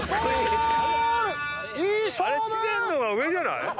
あれ知念のが上じゃない？